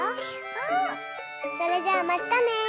うん！それじゃあまったね！